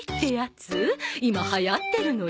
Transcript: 今流行ってるのよ。